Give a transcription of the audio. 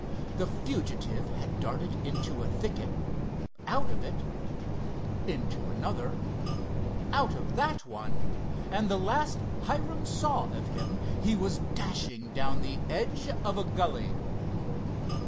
The fugitive had darted into a thicket, out of it, into another, out of that one, and the last Hiram saw of him he was dashing down the edge of a gully.